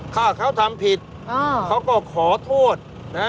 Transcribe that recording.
ถ้าเขาทำผิดเขาก็ขอโทษนะ